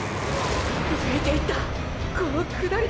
抜いていったこの下りで！！